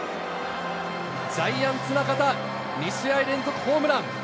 ジャイアンツ・中田、２試合連続ホームラン。